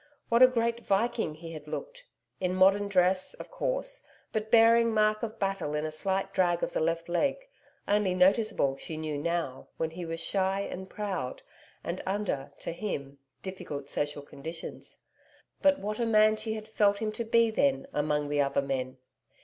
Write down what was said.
What a great Viking he had looked! in modern dress, of course, but bearing mark of battle in a slight drag of the left leg, only noticeable, she knew now, when he was shy and proud, and under, to him, difficult social conditions. But what a MAN she had felt him to be then, among the other men!